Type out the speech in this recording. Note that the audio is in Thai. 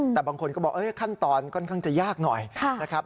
แต่บางคนก็บอกขั้นตอนค่อนข้างจะยากหน่อยนะครับ